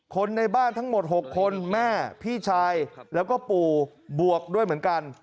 คนในบ้านทั้งหมด๖คนแม่พี่ชายแล้วก็ปู่บวกด้วยเหมือนกัน